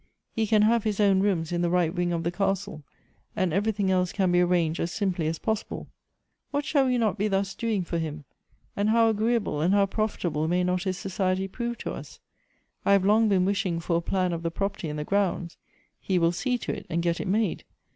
He can have his own rooms in the right wing of the castle, and everything else can be arranged as simply as possible. What shall we not be thus doing for him ! and how agreeable and how profitable may not his so ciety prove to us ! I have long been wishing for a plan of the property and the grounds. He will see to it,, and get it made.